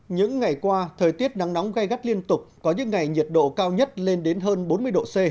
những ngày qua thời tiết nắng nóng gai gắt liên tục có những ngày nhiệt độ cao nhất lên đến hơn bốn mươi độ c